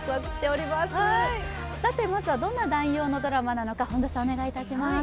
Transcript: さてまずはどんな内容のドラマなのか、本田さん、お願いします。